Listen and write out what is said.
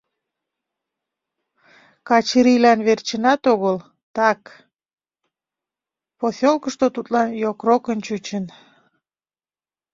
Качырийлан верчынат огыл, так, поселкышто тудлан йокрокын чучын.